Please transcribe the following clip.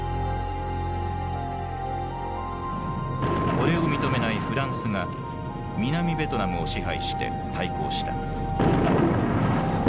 これを認めないフランスが南ベトナムを支配して対抗した。